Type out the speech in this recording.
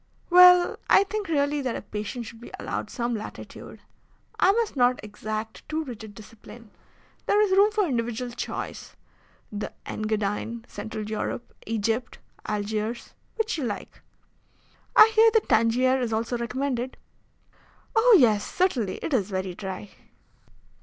"Well, I think really that a patient should be allowed some latitude. I must not exact too rigid discipline. There is room for individual choice the Engadine, Central Europe, Egypt, Algiers, which you like." "I hear that Tangier is also recommended." "Oh, yes, certainly; it is very dry."